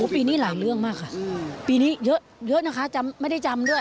ปีนี้หลายเรื่องมากค่ะปีนี้เยอะนะคะจำไม่ได้จำด้วย